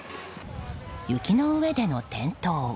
雪の上での転倒。